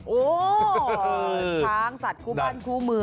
โอ้โหช้างสัตว์คู่บ้านคู่มือ